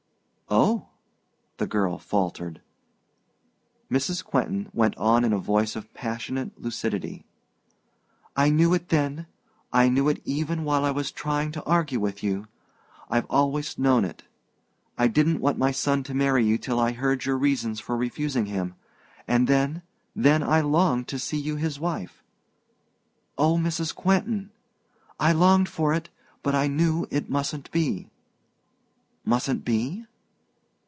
"Oh," the girl faltered. Mrs. Quentin went on in a voice of passionate lucidity. "I knew it then I knew it even while I was trying to argue with you I've always known it! I didn't want my son to marry you till I heard your reasons for refusing him; and then then I longed to see you his wife!" "Oh, Mrs. Quentin!" "I longed for it; but I knew it mustn't be." "Mustn't be?"